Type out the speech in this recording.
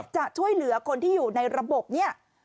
จะช่วยเหลือคนที่อยู่ในระบบเนี่ย